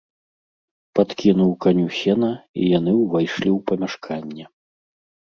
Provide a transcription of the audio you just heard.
Падкінуў каню сена, і яны ўвайшлі ў памяшканне.